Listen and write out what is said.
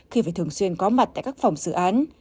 khi phải thường xuyên có mặt tại các phòng dự án